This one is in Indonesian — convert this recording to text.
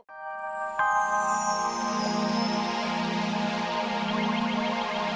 sampai jumpa lagi